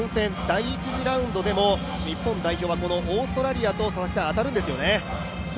第１次ラウンドでも日本代表はオーストラリアと当たるんですよね。